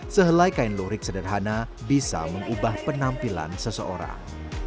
sehelai kain lurik sederhana bisa mengubah penampilan seseorang